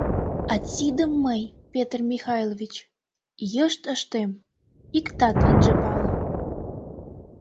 — А тидым мый, Петр Михайлович, йышт ыштем, иктат ынже пале.